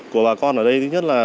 của bà con ở đây